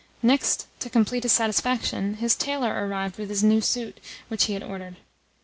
Next, to complete his satisfaction, his tailor arrived with the new suit which he had ordered.